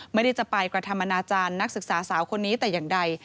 ไม่ได้จะไปกระทำอนาจารย์นักศึกษาสาวคนนี้แต่อย่างใด